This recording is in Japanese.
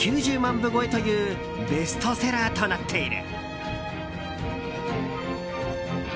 部超えというベストセラーとなっている。